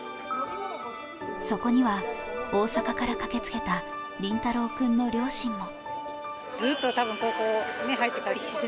そこには、大阪から駆けつけた凛太朗君の両親も。